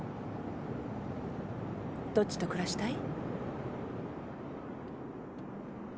どっちと暮らしたい？